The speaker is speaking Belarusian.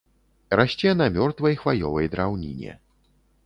Расце на мёртвай хваёвай драўніне.